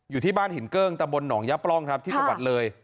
อยู่ที่บ้านหินเกิ้งตะบนหนองยะปล้องครับที่จังหวัดเลย